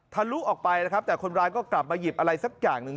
ลุออกไปนะครับแต่คนร้ายก็กลับมาหยิบอะไรสักอย่างหนึ่ง